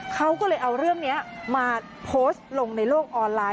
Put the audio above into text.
เขาก็เลยเอาเรื่องนี้มาโพสต์ลงในโลกออนไลน